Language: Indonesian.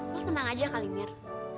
lo tenang aja kali mir